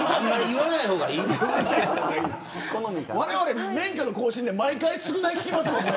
われわれ、免許の更新で毎回、償い聞きますもんね。